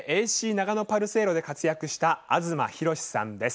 長野パルセイロで活躍した東浩史さんです。